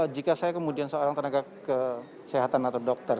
jika saya kemudian seorang tenaga kesehatan atau dokter